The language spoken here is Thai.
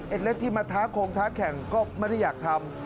เล็กที่มาท้าคงท้าแข่งก็ไม่ได้อยากทำ